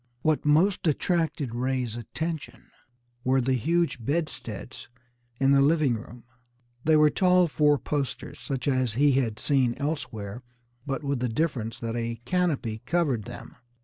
What most attracted Ray's attention were the huge bedsteads in the living room. They were tall four posters, such as he had seen elsewhere, but with the difference that a canopy covered them.